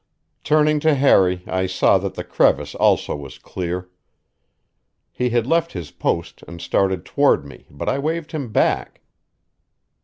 Turning to Harry, I saw that the crevice also was clear. He had left his post and started toward me, but I waved him back.